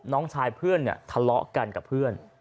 น้องชายเพื่อนเนี่ยทะเลาะกันกับเพื่อน